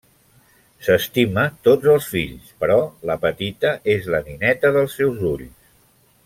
S'estima tots els fills, però la petita és la nineta dels seus ulls.